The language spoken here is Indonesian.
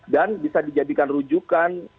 dan bisa dijadikan rujukan